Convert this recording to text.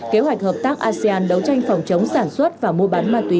kế hoạch hợp tác asean đấu tranh phòng chống sản xuất và mua bán ma túy